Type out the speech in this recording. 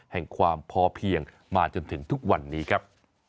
แห่งความพอเพียงมาจนถึงทุกวันนี้ครับ